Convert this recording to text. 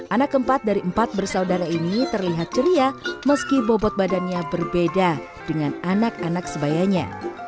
anak keempat dari empat bersaudara ini terlihat ceria meski bobot badannya berbeda dengan anak anak sebayanya